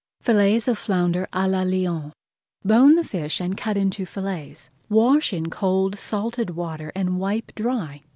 FILLETS OF FLOUNDER À LA LYONS Bone the fish and cut into fillets. Wash in cold salted water and wipe dry.